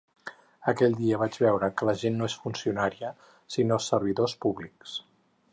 Aquell dia vaig veure que la gent no és funcionària, sinó servidors públics.